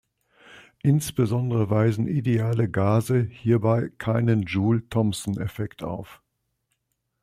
Insbesondere weisen ideale Gase hierbei keinen Joule-Thomson-Effekt auf.